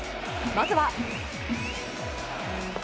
まずは。